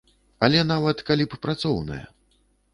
Але, нават, калі б працоўная.